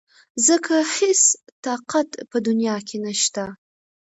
ځکه هېڅ طاقت په دنيا کې نشته .